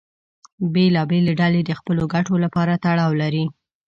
بېلابېلې ډلې د خپلو ګټو لپاره تړاو لرلې.